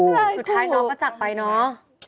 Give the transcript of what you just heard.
สุดท้ายน้องก็จากไปเนาะ